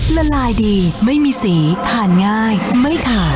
ละลายดีไม่มีสีทานง่ายไม่ทาน